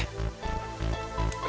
ray lu mau kemana